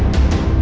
aku mau ke rumah